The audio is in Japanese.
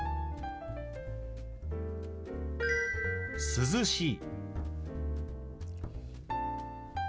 「涼しい」。